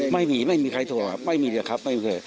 ไม่มีไม่มีใครโทรหาไม่มีเลยครับ